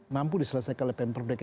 mampu diselesaikan oleh pemperbedaan